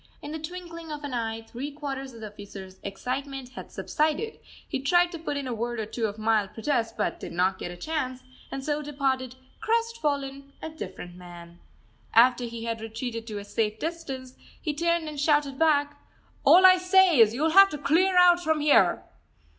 In the twinkling of an eye three quarters of the officer's excitement had subsided; he tried to put in a word or two of mild protest but did not get a chance, and so departed crestfallen, a different man. After he had retreated to a safe distance, he turned and shouted back: "All I say is, you'll have to clear out from here!"